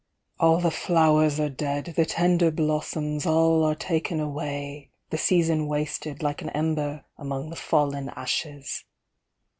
All the flowers are dead, the tender blossoms, All are taken away; the season wasted, Like an ember among the fallen ashes.